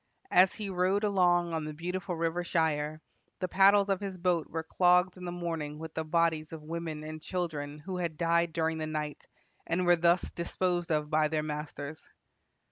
As he rowed along on the beautiful river Shire, the paddles of his boat were clogged in the morning with the bodies of women and children who had died during the night, and were thus disposed of by their masters."